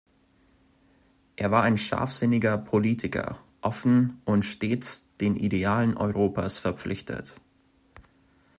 Er war ein scharfsinniger Politiker, offen, und stets den Idealen Europas verpflichtet.